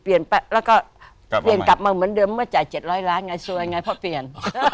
แล้วก็เปลี่ยนกลับมาเหมือนเดิมเมื่อจ่าย๗๐๐ล้านไงซวยไงเพราะเปลี่ยน